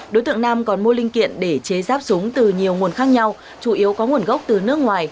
đối tượng nam còn mua linh kiện để chế ráp súng từ nhiều nguồn khác nhau chủ yếu có nguồn gốc từ nước ngoài